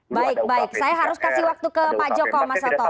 baik baik saya harus kasih waktu ke pak joko mas sato